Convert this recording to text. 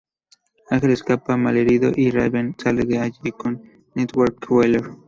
Ángel escapa malherido y Raven sale de allí con Nightcrawler.